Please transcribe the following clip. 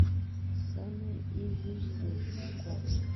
sasa hivi ni kwamba ni kufanya negotiation za kidiplomasia